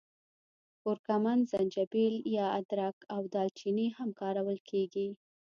کورکمن، زنجبیل یا ادرک او دال چیني هم کارول کېږي.